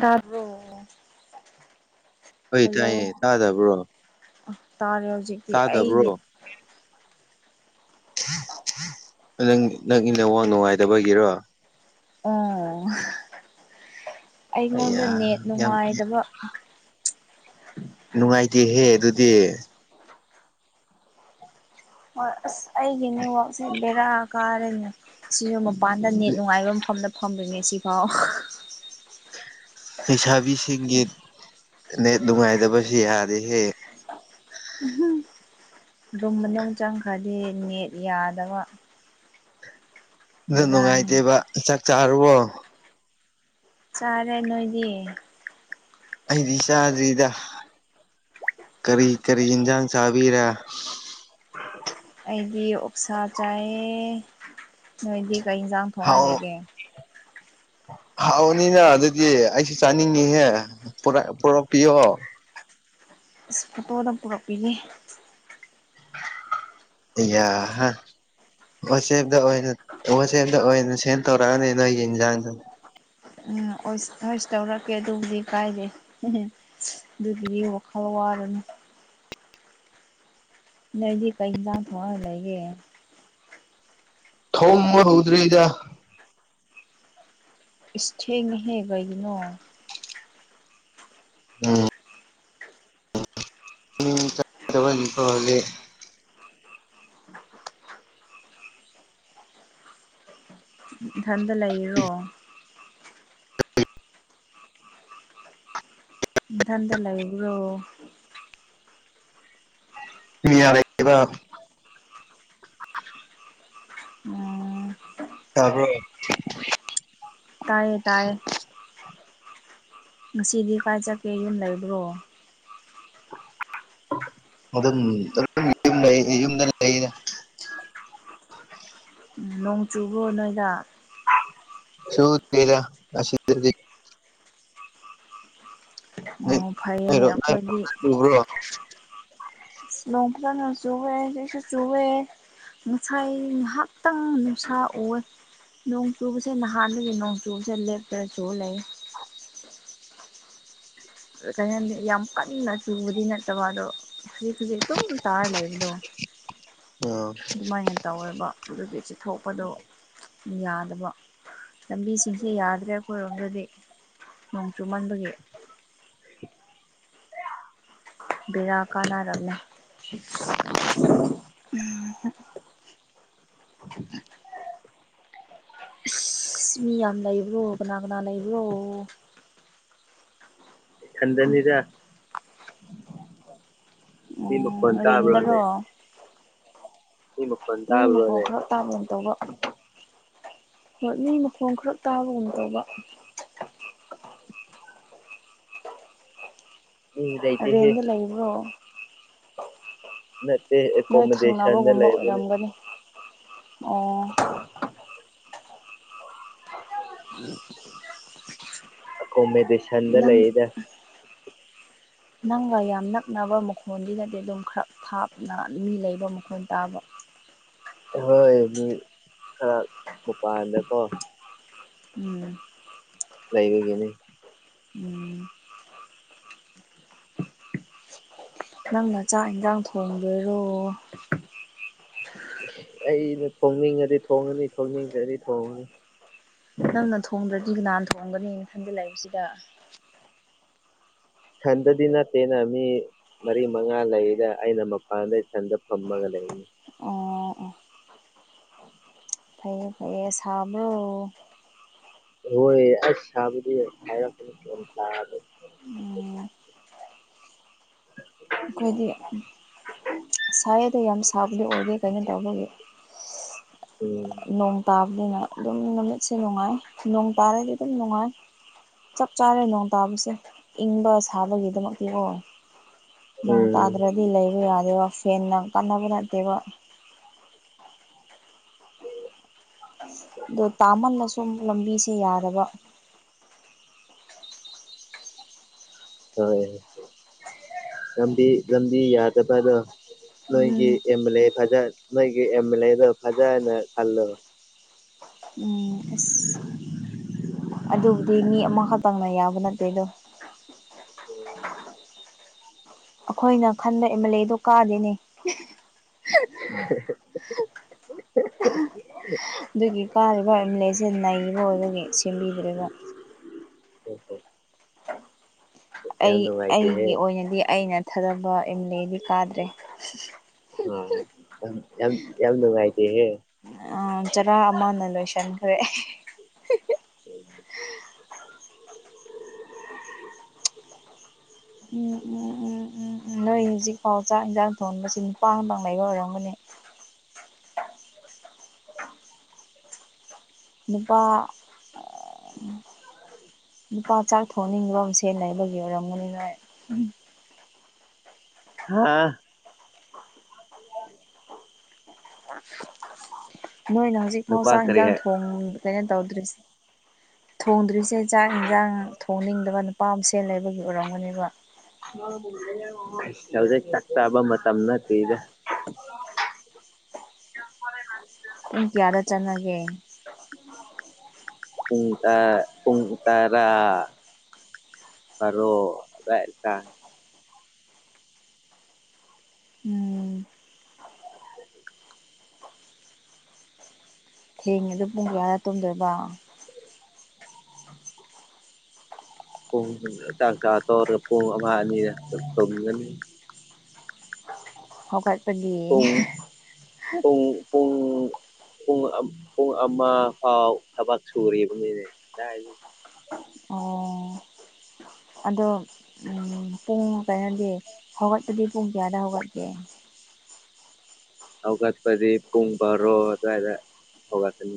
ꯇꯥꯕ꯭ꯔꯣ ꯍꯣꯏ ꯍꯜꯂꯣ ꯇꯥꯏꯌꯦ ꯇꯥꯗꯕ꯭ꯔꯣ ꯇꯥꯔꯦ ꯍꯧꯖꯤꯛ ꯇꯥꯗꯕ꯭ꯔꯣ ꯅꯪ ꯅꯪ ꯅꯦꯛꯋꯥꯛ ꯅꯨꯡꯉꯥꯏꯇꯕꯒꯤꯔꯣ ꯑꯣ ꯑꯩꯉꯣꯟꯗ ꯑꯩꯌꯥ ꯅꯦꯠ ꯌꯥꯝ ꯅꯨꯡꯉꯥꯏꯇꯕ ꯅꯨꯡꯉꯥꯏꯇꯦꯍꯦ ꯑꯗꯨꯗꯤ ꯍ ꯑꯁ ꯑꯩꯒꯤꯅꯦꯋꯥꯛꯁꯦ ꯕꯦꯔꯥ ꯀꯥꯔꯦꯅꯦ ꯁꯤ ꯃꯄꯥꯟꯗ ꯅꯦꯠ ꯅꯨꯡꯉꯥꯏꯕ ꯃꯐꯝꯗ ꯐꯪꯗ꯭ꯔꯤꯅꯦ ꯁꯤꯐꯥꯎ ꯂꯩꯁꯥꯕꯤꯁꯤꯡꯒꯤ ꯅ ꯅꯨꯡꯉꯥꯏꯇꯕꯁꯨ ꯌꯥꯔꯦꯍꯦ ꯎꯝ ꯔꯨꯝ ꯃꯅꯨꯡ ꯆꯪꯈ꯭ꯔꯗꯤ ꯅꯦꯠ ꯌꯥꯗꯕ ꯑꯗꯨ ꯕꯦꯔꯥꯅꯤ ꯅꯨꯡꯉꯥꯏꯇꯦꯕ ꯆꯥꯛ ꯆꯥꯔꯨꯕꯣ ꯆꯥꯔꯦ ꯅꯣꯏꯗꯤ ꯑꯩꯗꯤ ꯏꯆꯥꯗ꯭ꯔꯤꯗ ꯀꯔꯤ ꯀꯔꯤ ꯌꯦꯟꯁꯥꯡ ꯆꯥꯕꯤꯔ ꯑꯩꯗꯤ ꯑꯣꯛꯁꯥ ꯆꯥꯏꯑ ꯅꯣꯏꯗꯤ ꯀ ꯏꯟꯁꯥꯡ ꯍꯥꯎ ꯊꯣꯛꯍꯟꯂꯩꯒꯦ ꯍꯥꯎꯅꯤꯅ ꯑꯗꯨꯗꯤ ꯑꯩꯁꯨ ꯆꯥꯅꯤꯡꯉꯤꯍꯦ ꯄꯨꯔꯛꯄꯤꯌꯣ ꯑꯁ ꯐꯣꯇꯣꯗ ꯄꯨꯔꯛꯄꯤꯒꯦ ꯌꯥ ꯋꯥꯆꯦꯞꯇ ꯑꯣꯏꯅ ꯋꯥꯆꯦꯞꯇ ꯑꯣꯏꯅ ꯁꯦꯟ ꯇꯧꯔꯛꯑꯅꯤ ꯅꯣꯏꯒꯤ ꯌꯦꯟꯖꯥꯡꯁ ꯎꯝ ꯍꯣꯏꯁ ꯇꯧꯔꯛꯀꯦ ꯑꯗꯨꯕꯨꯗꯤ ꯀꯥꯏꯗꯦ ꯎ ꯑꯗꯨꯗꯒꯤꯕ ꯈꯋꯥꯅ ꯂꯩꯗꯤ ꯀ ꯏꯖꯥ ꯊ ꯂꯩꯒꯦ ꯊꯧ ꯍ ꯍꯧꯗ꯭ꯔꯔꯤ ꯏꯗ ꯏꯁꯦꯡꯍꯦꯕꯒꯤꯅꯣ ꯎꯝ ꯆꯠ ꯇꯕꯅꯤ ꯀꯍꯦ ꯏꯊꯟꯇ ꯂꯩꯔꯣ ꯊꯥꯟꯗ ꯂꯒꯦꯕ꯭ꯔꯣ ꯃꯤ ꯌꯥꯔꯕ ꯎꯝ ꯇꯥꯔꯕꯣ ꯇꯥꯏꯌꯦ ꯇꯥꯏꯌꯦ ꯉꯁꯤꯗꯤ ꯀꯥꯏ ꯆꯠꯀꯦ ꯌꯨꯝ ꯂꯩꯕ꯭ꯔꯣ ꯌꯨꯝꯗ ꯂꯩ ꯅꯣꯡ ꯆꯨꯕ ꯅꯣꯏꯗ ꯁꯨꯔ ꯑꯁꯤ ꯑꯣ ꯐꯩꯌꯦꯅꯦ ꯑꯩꯈꯣꯏꯗꯤ ꯎꯕ꯭ꯔꯣ ꯂꯣꯡꯄ꯭ꯔꯊꯅꯁꯨꯨꯦꯁꯨ ꯆꯨ ꯉꯁꯥꯏ ꯉꯥꯏꯍꯥꯛꯇꯪ ꯅꯨꯡꯁꯥ ꯑꯣꯏ ꯅꯣꯡꯆꯨꯕꯁꯦ ꯅꯍꯥꯟꯗꯒꯤ ꯅꯣꯡꯆꯨꯕꯁꯦ ꯂꯦꯞꯄꯗꯁꯨ ꯂꯩ ꯀꯩꯅꯣꯅꯤ ꯌꯥꯝ ꯀꯟꯅ ꯆꯨꯕꯗꯤ ꯅꯠꯇꯕ ꯑꯗꯣ ꯍꯧꯖꯤꯛ ꯍꯧꯖꯤꯛ ꯑꯗꯨꯝ ꯇꯥꯔ ꯂꯩꯕꯗꯣ ꯑꯗꯨꯃꯥꯏꯅ ꯇꯧꯋꯦꯕ ꯑꯗꯨꯒꯤ ꯆꯤꯊꯣꯛꯄꯗꯣ ꯌꯥꯗꯕ ꯂꯝꯕꯤꯁꯤꯡꯁꯦ ꯌꯥꯗ꯭ꯔꯦ ꯑꯩꯈꯣꯏꯔꯣꯝꯗꯗꯤ ꯅꯣꯡ ꯆꯨꯃꯟꯕꯒꯤ [inaudible] ꯕꯤꯔꯥ ꯀꯥꯟꯅꯔꯝꯃꯦ ꯑꯁ ꯃꯤ ꯌꯥꯝ ꯂꯩꯕ꯭ꯔꯣ ꯀꯅꯥꯒꯅꯥ ꯂꯩꯕ꯭ꯔꯣ ꯈꯟꯗꯅꯤꯗ ꯃꯤ ꯃ ꯐꯣꯟ ꯎꯝ ꯇ ꯍꯥꯏꯕꯣꯅꯦ ꯔꯦꯟꯗꯔꯣ ꯏꯕ ꯃꯤ ꯃ ꯐ ꯇꯥꯕꯒꯨꯝ ꯇꯧꯕ ꯍꯠ ꯃꯤ ꯃꯈꯣꯡ ꯈꯔ ꯇꯥꯕꯒꯨꯝ ꯇꯧꯕ ꯃꯤ ꯂꯩꯇꯦꯍꯦ ꯔꯦꯟꯗ ꯂꯩꯕ꯭ꯔꯣ ꯅꯠꯇꯦ ꯅꯣꯏ ꯑꯦꯀꯣꯃꯣꯗꯦꯁꯟꯗ ꯊꯪꯅꯕꯒꯨꯝꯕ ꯂꯩꯕꯅꯤ ꯑꯣꯏꯔꯝꯒꯅꯤ ꯑꯣ ꯑꯣ ꯀꯃꯦꯗ ꯅꯪ ꯑꯣ ꯅꯪꯒ ꯌꯥꯝ ꯅꯛꯅꯕ ꯃꯈꯣꯟꯗꯨꯅꯗꯤ ꯑꯗꯨꯝ ꯈꯔ ꯊꯥꯞꯅ ꯃꯤ ꯂꯩꯕ ꯃꯈꯣꯟ ꯇꯥꯕ ꯑꯍꯣꯏ ꯃꯤ ꯈꯔ ꯃꯄꯥꯟꯗꯀꯣ ꯎꯝ ꯂꯩꯕꯒꯦꯅꯦ ꯎꯝ ꯑ ꯅꯪꯅ ꯆꯥꯛ ꯏꯟꯁꯥꯡ ꯊꯣꯡꯕꯣꯏꯔꯣ ꯑꯩꯅ ꯊꯣꯡꯅꯤꯡꯉꯗꯤ ꯊꯣꯡꯉꯅꯤ ꯊꯣꯡꯅꯤꯡꯉꯗꯤ ꯊꯣꯡꯉꯅꯤ ꯅꯪꯅ ꯊꯣꯡꯗ꯭ꯔꯗꯤ ꯅꯍꯥꯟ ꯊꯣꯡꯒꯅꯦꯅ ꯈꯟꯖꯤꯜꯂꯛꯏꯕꯁꯤꯗ ꯈꯟꯗꯗꯤꯅꯇꯩꯅ ꯃꯤ ꯃꯔꯤ ꯃꯉꯥ ꯂꯩꯔꯒ ꯑꯩꯅ ꯃꯄꯥꯟꯗꯩ ꯁꯟꯗ ꯐꯝꯃꯒ ꯂꯩꯅꯤ ꯑꯣ ꯑꯣ ꯐꯩꯌꯦ ꯐꯩꯌꯦ ꯁꯥꯕ꯭ꯔꯨ ꯍꯣꯏ ꯑꯁꯕꯗꯤ ꯊ ꯎꯝ ꯑꯩꯈꯣꯏꯗꯤ ꯎ ꯁꯥꯏ ꯑꯗꯣ ꯌꯥꯝ ꯁꯥꯕꯗꯤ ꯑꯣꯏꯗꯦ ꯀꯩꯅꯣ ꯇꯧꯕꯒꯤ ꯎꯝ ꯅꯣꯡ ꯇꯥꯕꯅꯤꯅ ꯑꯗꯨꯝ ꯅꯨꯃꯤꯠꯁꯦ ꯅꯨꯡꯉꯥꯏ ꯅꯣꯡ ꯇꯥꯔꯗꯤ ꯑꯗꯨꯝ ꯅꯨꯡꯉꯥꯏ ꯆꯞ ꯆꯥꯔꯦ ꯅꯣꯡ ꯇꯥꯕꯁꯦ ꯏꯪꯕ ꯁꯥꯕꯒꯤꯗꯃꯛꯇꯀ ꯅꯣꯡ ꯎꯝ ꯇꯥꯗ꯭ꯔꯗꯤ ꯂꯩꯕ ꯌꯥꯗꯦꯕ ꯐꯦꯟꯅ ꯀꯥꯟꯅꯕ ꯅꯠꯇꯦꯕ ꯑꯗꯣ ꯇꯥꯃꯜꯂ ꯁꯨꯝ ꯂꯝꯕꯤꯁꯦ ꯌꯥꯗꯕ ꯍꯣꯏ ꯂꯝꯕꯤ ꯂꯝꯕꯤ ꯌꯥꯗ ꯄꯗ ꯅꯣꯏꯒꯤ ꯎꯝ ꯑꯦꯝ ꯑꯦꯜ ꯑꯦ ꯐꯖ ꯅꯣꯏꯒꯤ ꯑꯦꯝ ꯑꯦꯜ ꯑꯦꯗꯣ ꯐꯖꯅ ꯈꯜꯂꯣ ꯎꯝ ꯑꯁ [inaudible] ꯑꯗꯨꯕꯨꯗꯤ ꯃꯤ ꯑꯃꯈꯛꯇꯪꯅ ꯌꯥꯕ ꯅꯠꯇꯦ ꯑꯗꯣ ꯑꯩꯈꯣꯏꯅ ꯈꯟꯕ ꯑꯦꯝ ꯑꯦꯜ ꯑꯦꯗꯣ ꯀꯥꯗꯦꯅꯦ ꯎ ꯑꯗꯨꯒꯤ ꯀꯥꯔꯤꯕ ꯑꯦꯝ ꯑꯦꯜ ꯑꯦꯁꯦ ꯅꯩꯕ ꯑꯣꯏꯔꯒꯤ ꯁꯦꯝꯕꯤꯗꯅ ꯌꯥꯝ ꯑꯩ ꯅꯨꯡꯉꯥꯏꯇꯦꯍꯦ ꯑꯩꯒꯤ ꯑꯣꯏꯅꯗꯤ ꯑꯩꯅ ꯊꯥꯖꯕ ꯑꯦꯝ ꯑꯦꯜ ꯑꯦꯗꯤ ꯀꯥꯗ꯭ꯔꯦ ꯑ ꯌꯥꯝꯅ ꯃꯥꯥꯏꯇ ꯍꯦ ꯆꯔꯥ ꯑꯃꯅ ꯂꯣꯏꯁꯟ ꯑ ꯎ ꯎꯝ ꯎꯝ ꯎꯝ ꯎꯝ ꯅꯣꯏ ꯍꯧꯖꯤꯛꯐꯥꯎ ꯆꯥꯛ ꯏꯟꯖꯥꯡ ꯊꯣꯡꯕꯁꯤ ꯅꯨꯄꯥ ꯑꯃꯄꯥꯡ ꯂꯩꯕ ꯑꯣꯏꯔꯝꯒꯅꯤ ꯅꯨꯄꯥ ꯅꯨꯄꯥ ꯆ ꯊꯣꯛꯅꯤꯡꯕ ꯑꯁꯦ ꯂꯩꯕꯒꯤ ꯑꯣꯏꯔꯝꯒꯅꯤꯅ ꯍꯥꯥ ꯅꯣꯏꯅ ꯍꯧꯖꯤꯛ ꯐꯥꯎ ꯅꯨꯄꯥ ꯆꯥꯛ ꯀꯔꯤ ꯏꯟꯁꯥꯡ ꯍꯥꯏ ꯊꯣꯡ ꯁꯃꯥꯏꯩꯅ ꯇꯧꯗ꯭ꯔꯤꯁꯦ ꯊꯣꯡꯗ꯭ꯔꯤꯁꯦ ꯆꯥꯛ ꯏꯟꯁꯥꯡ ꯊꯣꯡꯅꯤꯡꯗꯕꯠꯇ ꯄꯄꯥꯥꯝꯁꯦ ꯂꯩꯕꯒꯤ ꯑꯣꯏꯔꯝꯒꯅꯦꯕ ꯑꯁ ꯍꯧꯖꯤꯛ ꯆꯥꯛꯇꯥꯕ ꯃꯇꯝ ꯅꯠꯇ꯭ꯔꯤꯗ ꯦꯃ ꯄꯨꯡ ꯀꯌꯥꯗ ꯆꯠꯅꯒꯦ ꯄꯨꯡ ꯇꯔ ꯄꯨꯡ ꯇꯔꯥ ꯇꯔꯨꯛ [unintelligible] ꯎꯝ ꯊꯦꯡꯉꯦꯗꯣ ꯄꯨꯡ ꯀꯌꯥꯗ ꯇꯨꯝꯗꯣꯏꯕ ꯄꯨꯡ ꯆꯥꯛ ꯆꯥ ꯇꫭꯛꯑꯒ ꯄꯨꯡ ꯑꯃ ꯑꯅꯤ ꯇꯨꯝꯒꯅꯤ ꯍ ꯀꯥꯏ [unintelligible] ꯄꯨꯡ ꯄꯨꯡ ꯄꯨꯡ ꯄꯨꯡ ꯑꯃ ꯄꯨꯡ ꯑꯃ ꯐꯥꯎ ꯊꯕꯛ ꯁꯨꯔꯤꯕꯅꯤꯅꯦ ꯑꯣ ꯑꯗꯣ ꯎꯝ ꯄꯨꯡ ꯀꯩꯅꯣꯗꯤ ꯍꯧꯒꯠꯄꯗꯤ ꯄꯨꯡ ꯀꯌꯥꯗ ꯍꯧꯒꯠꯀꯦ ꯍꯧꯒꯠꯄꯗꯤ ꯄꯨꯡ ꯕꯔꯣ ꯑꯗꯥꯏꯗ ꯍꯧꯒꯠꯄꯅꯤ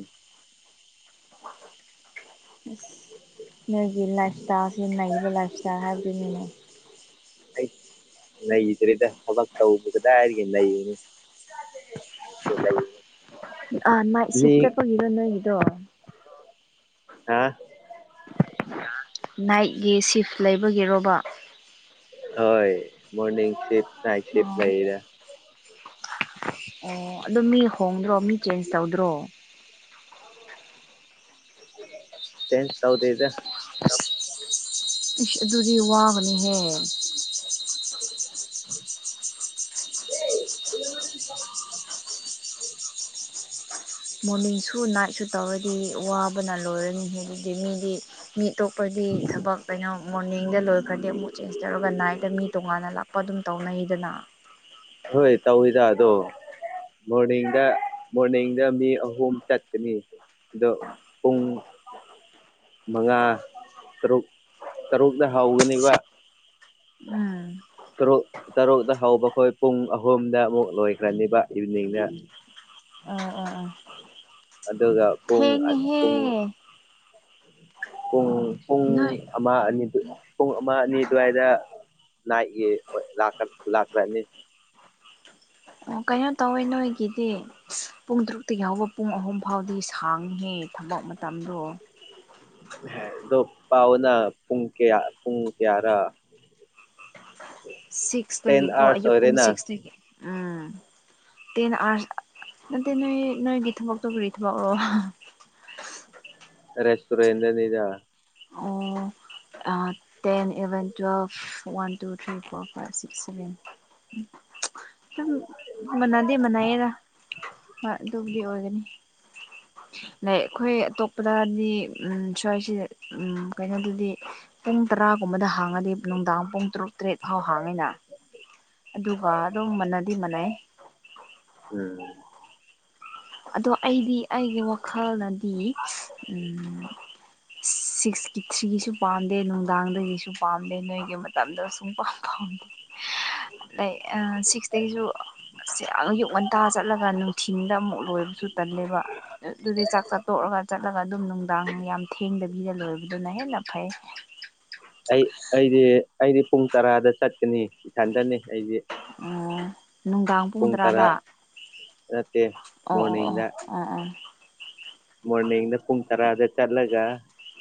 ꯅꯣꯏꯒꯤ ꯂꯥꯏꯐ ꯏꯁꯇꯥꯏꯜꯁꯤ ꯅꯩꯕ ꯂꯥꯏꯐ ꯏꯁꯇꯥꯏꯜ ꯍꯥꯏꯕꯗꯨꯅꯤꯅꯦ ꯑꯩꯁ ꯅꯩꯗ꯭ꯔꯦꯗ ꯊꯕꯛ ꯇꯧꯕ ꯀꯗꯥꯏꯗꯒ ꯅꯩꯕꯅꯣ [unintelligible] ꯑ ꯅ [unintelligible] ꯁꯤꯞ ꯆꯠꯄꯒꯤꯗꯣ ꯅꯣꯏꯒꯤꯗꯣ ꯍꯥ ꯅꯥꯏꯠꯒꯤ ꯁꯤꯐ ꯂꯩꯕꯒꯤꯔꯣꯕꯥ ꯍꯣꯏ ꯃꯣꯔꯅꯤꯡ ꯁꯤꯐ ꯅꯥꯠ ꯁꯤꯐ ꯑꯣ ꯂꯩꯗ꯫ ꯑꯣ ꯑꯗꯨ ꯃꯤ ꯍꯣꯡꯗ꯭ꯔꯣ ꯃꯤ ꯆꯦꯟꯖ ꯇꯧꯗ꯭ꯔꯣ ꯆ‌ꯦꯟꯁ ꯇꯧꯗꯦꯗ ꯏꯁꯁ ꯑꯗꯨꯗꯤ ꯋꯥꯕꯅꯤꯍꯦ [unintelligible] ꯎ [unintelligible] ꯃꯣꯔꯅꯤꯡꯁꯨ ꯅꯥꯏꯠꯁꯨ ꯇꯧꯔꯗꯤ ꯋꯥꯕꯅ ꯂꯣꯏꯔꯅꯤ ꯍ‌ꯦ ꯑꯗꯨꯗꯤ ꯃꯤꯗꯤ ꯃꯤ ꯑꯇꯣꯄꯒꯤ ꯊꯕꯛ ꯀꯩꯅꯣ ꯃꯣꯔꯅꯤꯡꯗ ꯂꯣꯏꯈ꯭ꯔꯗꯤ ꯑꯃꯨꯛ ꯆꯦꯟꯖ ꯇꯧꯔꯒ ꯅꯥꯏꯠꯇ ꯃꯤ ꯇꯣꯉꯥꯟꯅ ꯂꯥꯛ ꯀꯄ [unintelligible] ꯑꯗꯨꯝ ꯇꯧꯅꯩꯗꯅ ꯍꯣꯏ ꯇꯧꯋꯤꯗ ꯑꯗꯣ ꯃꯣꯔꯅꯤꯡꯗ ꯃꯣꯔꯅꯤꯡꯗ ꯃꯤ ꯑꯍꯣꯝ ꯆꯠꯀꯅꯤ ꯑꯗꯣ ꯄꯨꯡ ꯃꯉꯥ ꯇꯔꯨꯛ ꯇꯔꯨꯛꯇ ꯍꯧꯒꯅꯤꯕ ꯎꯝ ꯇꯔꯨꯛ ꯇꯔꯨꯛꯇ ꯍꯧꯕꯈꯣꯏ ꯄꯨꯡ ꯑꯍꯨꯝꯗ ꯑꯃꯨꯛ ꯂꯣꯏꯈ꯭ꯔꯅꯤꯕ ꯏꯚꯤꯅꯤꯡꯅ ꯎꯝ [unintelligible] ꯎꯝ ꯎꯝ ꯑꯗꯨꯒ ꯄꯨꯡ ꯄꯨꯡ ꯄꯨꯡ ꯄꯨꯡ ꯅ [unintelligible] ꯑꯃ ꯑꯅꯤꯗꯨ ꯄꯨꯡ ꯑꯃ ꯑꯅꯤ ꯑꯗꯨꯋꯥꯏꯗ ꯅꯥꯏ ꯂꯥꯛꯈ꯭ꯔꯅꯤ [unintelligible] ꯑꯣ ꯀꯩꯅꯣ ꯇꯧꯋꯦ ꯅꯣꯏꯒꯤꯗꯤ ꯄꯨꯡ ꯇꯔꯨꯛꯇꯒꯤ ꯍꯧꯕ ꯄꯨꯡ ꯑꯍꯨꯝ ꯐꯥꯎꯗꯤ ꯁꯥꯡꯍꯦ ꯊꯕꯛ ꯃꯇꯝꯗꯣ ꯑꯗꯣ ꯄꯥꯎꯅ ꯄꯨꯡ ꯀꯌꯥ ꯄꯨꯡ ꯀꯌꯥꯔ ꯇꯦꯟ ꯁꯤꯛꯁꯇꯒꯤꯀꯣ ꯑꯥꯋꯔꯁ ꯑꯌꯨꯛ ꯄꯨꯡ ꯑꯣꯏꯔꯦꯅ ꯁꯤꯛꯁꯇꯒꯤ ꯎꯝ [inaudible] ꯇꯦꯟ ꯅ [unintelligible] ꯅꯣꯏ ꯅꯣꯏ ꯒꯤ ꯊꯕ ꯇꯣꯔꯤ ꯊꯕꯣ ꯔꯦꯁꯇꯨꯔ‌ꯦꯟ ꯗꯅꯤꯗ ꯑꯣ ten eleven twelve one two three four five six seven ꯎ [unintelligible] ꯑꯗꯨꯝ ꯃꯅꯗꯦ ꯃꯅꯥꯩꯌꯦꯗ ꯑꯗꯨꯕꯨꯗꯤ ꯑꯣꯏꯒꯅꯤ ꯂꯩ ꯑꯩꯈꯣꯏ ꯑꯇꯣꯞꯄꯗꯗꯤ ꯎꯝ ꯁ꯭ꯋꯥꯏꯁꯤ ꯎꯝ ꯀꯩꯅꯣꯗꯨꯗꯤ ꯄꯨꯡ ꯇꯔꯥꯒꯨꯝꯕꯗ ꯍꯥꯡꯉꯗꯤ ꯅꯨꯡꯗꯥꯡ ꯄꯨꯡ ꯇꯔꯨꯛ ꯇꯔꯦꯠ ꯐꯥꯎ ꯍꯥꯡꯉꯤꯅ꯫ ꯑꯗꯨꯒ ꯑꯗꯨꯝ ꯃꯅꯗꯤ ꯃꯥꯟꯅꯩ꯫ ꯎꯝ ꯑꯗꯣ ꯑꯩꯗꯤ ꯑꯩꯒꯤ ꯋꯥꯈꯜꯅꯗꯤ꯫ [inaudible] ꯁꯤꯛꯁꯀꯤ ꯊ꯭ꯔꯤꯒꯤꯁꯨ ꯄꯥꯝꯗꯦ ꯅꯨꯡꯗꯥꯡꯗꯒꯤꯁꯨ ꯄꯥꯝꯗꯦ ꯅꯣꯏꯒꯤ ꯃꯇꯝꯗ ꯁꯨꯡ ꯄꯥꯝ ꯄꯥꯝꯗꯦ꯫ [inaudible] ꯂꯛ ꯁꯤꯛꯁꯇꯒꯤꯁꯨ ꯑꯁ ꯌꯥꯝꯌꯛ ꯉꯟꯇꯥ ꯆꯠꯂꯒ ꯅꯨꯡꯊꯤ ꯊꯣꯏꯕꯁꯨ ꯇꯜꯂꯦꯕ꯫ ꯑꯗꯨꯗꯤ ꯆꯥꯛ ꯆꯥꯠꯇꯣꯛꯑꯒ ꯆꯠꯂꯒ ꯑꯗꯨꯝ ꯅꯨꯡꯗꯥꯡ ꯌꯥꯝ ꯊꯦꯡꯗꯕꯤꯗ ꯂꯣꯏꯕꯗꯨꯅ ꯍꯦꯟꯅ ꯐꯩ꯫ ꯑꯩ ꯑꯩꯗꯤ ꯑꯩꯗꯤ ꯄꯨꯡ ꯇꯔꯥꯗ ꯆꯠꯀꯅꯤ꯫ ꯏꯊꯟꯗꯅꯤ ꯑꯩꯁꯦ ꯑꯣ ꯅꯨꯡꯗꯥꯡ ꯄꯨꯡ ꯇꯔꯥ꯫ ꯇꯔꯥꯗ ꯅꯠꯇꯦ ꯑꯣ ꯑꯣ ꯑꯣ ꯃꯣꯔꯅꯤꯡꯗ ꯑꯣ ꯑꯣ ꯃꯣꯔꯅꯤꯡꯗ ꯄꯨꯡ ꯇꯔꯥꯗ ꯆꯠꯂꯒ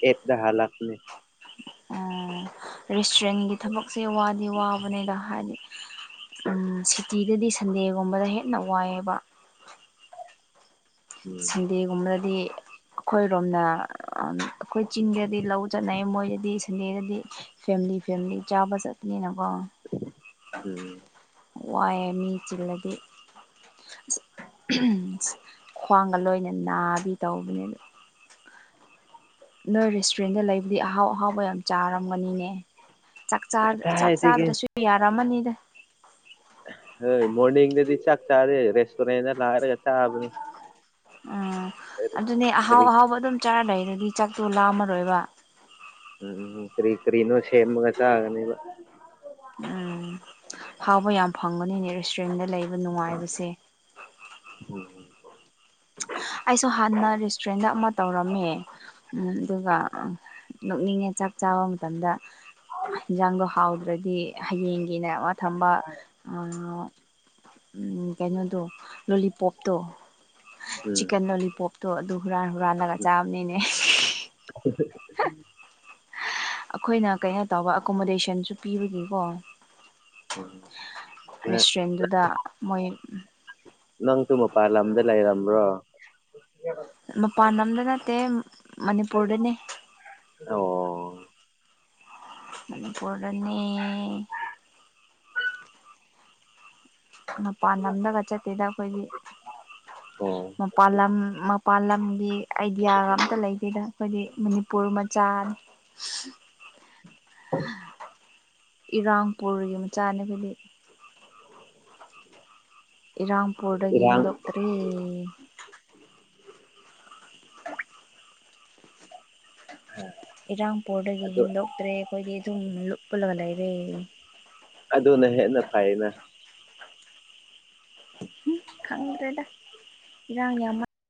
ꯑꯦꯠꯗꯍ ꯂꯥꯛꯅꯤ꯫ ꯔꯦꯁꯇꯨꯔꯦꯟꯒꯤ ꯊꯕꯛꯁꯦ ꯋꯥꯗꯤ ꯋꯥꯕꯅꯤꯗ ꯍꯥꯏꯗꯤ ꯎꯝ ꯁꯤꯇꯤꯗꯗꯤ ꯁꯟꯗꯦꯒꯨꯝꯕꯗ ꯍꯦꯟꯅ ꯋꯥꯏꯑꯦꯕ꯫ ꯎꯝ ꯁꯟꯗꯦꯒꯨꯝꯕꯗꯗꯤ ꯑꯩꯈꯣꯏꯔꯣꯝꯅ ꯑꯩꯈꯣꯏ ꯆꯤꯡꯗꯗꯤ ꯂꯧ ꯆꯠꯅꯩ ꯃꯣꯏꯗꯗꯤ ꯁꯟꯗꯦꯗꯗꯤ ꯐꯦꯂꯤ ꯐꯦꯂꯤ ꯆꯥꯕ ꯆꯠꯄꯅꯤꯅꯀꯣ꯫ ꯎꯝ ꯋꯥꯏꯑꯦ ꯃꯤ ꯆꯤꯜꯂꯗꯤ ꯑꯁ ꯑ ꯈ꯭ꯋꯥꯡꯒ ꯂꯣꯏꯅ ꯅꯥꯗꯤ ꯇꯧꯕꯅꯦꯕ ꯅꯣꯏ ꯔꯦꯁꯇꯨꯔꯦꯟꯗ ꯂꯩꯕꯨꯗꯤ ꯑꯍꯥꯎ ꯑꯍꯥꯎꯕ ꯌꯥꯝ ꯆꯥꯔꯝꯒꯅꯤꯅꯦ꯫ ꯆꯥꯛ ꯆꯥꯛ ꯀꯗꯥꯏꯗꯒꯤ ꯆꯥꯕꯗꯁꯨ ꯌꯥꯔꯝꯃꯅꯤꯗ꯫ ꯍꯣꯏ ꯃꯣꯔꯅꯤꯡꯗꯗꯤ ꯆꯥꯛ ꯆꯥꯔꯦ ꯔꯦꯁꯇꯨꯔꯦꯟꯗ ꯂꯥꯛꯔꯒ ꯆꯥꯕꯅꯦ꯫ ꯎꯝ ꯑꯗꯨꯅꯦ ꯑꯍꯥꯎ ꯀꯔꯤ ꯑꯍꯥꯎꯕ ꯑꯗꯨꯝ ꯆꯥꯔꯗ ꯑꯗꯨꯗꯤ ꯆꯥꯛꯇꯣ ꯂꯥꯝꯃꯔꯣꯏꯕ ꯎꯝ ꯀꯔꯤ ꯀꯔꯤꯅꯣ ꯁꯦꯝꯃꯒ ꯆꯥꯒꯅꯦꯕ꯫ ꯎꯝ ꯐꯥꯎꯕ ꯌꯥꯝ ꯐꯪꯒꯅꯤꯅꯦ ꯔꯦꯁꯇꯨꯔꯦꯟꯗ ꯂꯩꯕ ꯅꯨꯡꯉꯥꯏꯕꯁꯦ꯫ [inaudible] ꯑꯩꯁꯨ ꯍꯥꯟꯅ ꯔꯦꯁꯇꯨꯔꯦꯟꯗ ꯑꯃ ꯇꯧꯔꯝꯃꯦ꯫ ꯑꯗꯨꯒ ꯅꯣꯛꯅꯤꯡꯉꯦ ꯆꯥꯛ ꯆꯥꯕ ꯃꯇꯝꯗ ꯏꯟꯖꯥꯡꯗꯣ ꯍꯥꯎꯗ꯭ꯔꯗꯤ ꯍꯌꯦꯡꯒꯤꯅꯦ ꯋꯥ ꯊꯝꯕ ꯎꯝ ꯀꯩꯅꯣꯗꯣ ꯂꯣꯂꯤꯄꯣꯞꯇꯣ ꯎꯝ ꯆꯤꯛꯀꯟ ꯂꯣꯂꯤꯄꯣꯞ ꯇꯣ ꯑꯗꯨ ꯍꯨꯔꯥꯟ ꯍꯨꯔꯜꯂꯒ ꯆꯥꯕꯅꯤꯅꯦ꯫ [inaudible] ꯑꯩꯈꯣꯏꯅ ꯀꯩꯅꯣ ꯇꯧꯕ ꯑꯦꯀꯣꯃꯣꯗꯦꯁꯟꯁꯨ ꯄꯤꯕꯒꯤꯀꯣ꯫ [inaudible] ꯔꯦꯁꯇꯨꯔꯦꯟꯗꯨꯗ ꯃꯣꯏ ꯅꯪꯁꯨ ꯃꯄꯥꯥꯟ ꯂꯝꯗ ꯂꯩꯔꯝꯕ꯭ꯔꯣ꯫ ꯃꯄꯥꯟ ꯂꯝꯗ ꯅꯠꯇꯦ ꯃꯅꯤꯄꯨꯔꯗꯅꯦ꯫ ꯑꯣ ꯃꯅꯤꯄꯨꯔꯔꯅꯤ꯫ ꯃꯄꯥꯥꯟ ꯂꯝꯗꯒ ꯆꯠꯇꯦꯗ ꯑꯩꯈꯣꯏꯒꯤ ꯑꯣ ꯃꯄꯥꯥꯟ ꯂꯝ ꯃꯄꯥꯥꯟ ꯂꯝꯒꯤ ꯑꯥꯏꯗꯤꯌꯥꯒ ꯑꯝꯇ ꯂꯩ꯫ ꯁꯤꯗ ꯑꯩꯈꯣꯏꯗꯤ ꯃꯅꯤꯄꯨꯔ ꯃꯆꯥꯥꯟ ꯏꯔꯥꯡꯄꯨꯔꯒꯤ ꯃꯆꯥꯅꯦ ꯑꯩꯈꯣꯏꯗꯤ꯫ [inaudible] ꯏꯔꯥꯝꯄꯨꯔꯗꯒꯤ ꯏꯔꯥꯡ ꯍꯦꯟꯗꯣꯛꯇ꯭ꯔꯤ꯫ [inaudible] [unintelligible] [inaudible] ꯏꯔꯥꯡꯄꯨꯔꯗꯒꯤ ꯑꯗꯨ ꯍꯦꯟꯗꯣꯛꯇ꯭ꯔꯦ ꯑꯩꯈꯣꯏꯗꯤ ꯑꯗꯨꯨꯝ ꯂꯨꯞꯄꯂꯒ ꯂꯩꯔꯦ ꯑꯗꯨꯅ ꯍꯦꯟꯅ ꯐꯩꯅ ꯎꯝ ꯈꯪꯗ꯭ꯔꯦꯗ ꯏꯔꯥꯡ ꯌꯥꯝꯃ